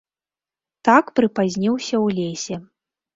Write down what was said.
Так прыпазніўся ў лесе.